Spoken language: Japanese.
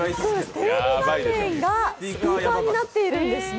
テレビ画面がスピーカーになっているんですね。